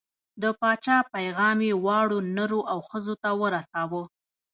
د پاچا پیغام یې واړو، نرو او ښځو ته ورساوه.